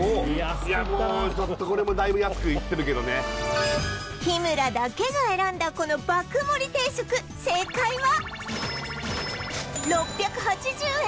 もうちょっとこれもだいぶ安くいってるけどね日村だけが選んだこの爆盛り定食正解は６８０円